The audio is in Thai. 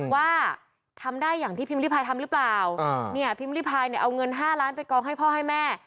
ว่าทำได้อย่างที่พิมพ์ริพายทำหรือเปล่าเนี่ยพิมพ์ริพายเนี่ยเอาเงิน๕ล้านไปกองให้พ่อให้แม่